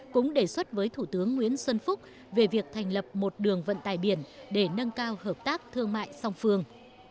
cũng đề xuất với thủ tướng nguyễn xuân phúc về việc thành lập một đường vận tải biển để nâng cao hợp tác thương mại song phương